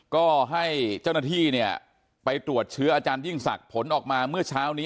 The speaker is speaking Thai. ก็ให้เจ้าหน้าที่เนี่ยไปตรวจเชื้ออาจารยิ่งศักดิ์ผลออกมาเมื่อเช้านี้